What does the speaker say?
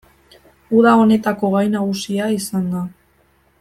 Uda honetako gai nagusia izan da.